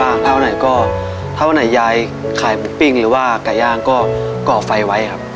ทับผลไม้เยอะเห็นยายบ่นบอกว่าเป็นยังไงครับ